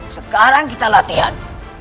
sekarang kita latihan